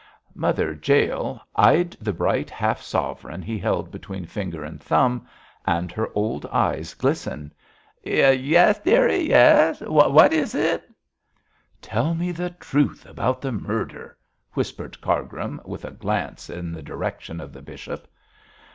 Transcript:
Mother Jael eyed the bright half sovereign he held between finger and thumb, and her old eyes glistened. 'Yes, dearie, yes! What is it?' 'Tell me the truth about the murder,' whispered Cargrim, with a glance in the direction of the bishop.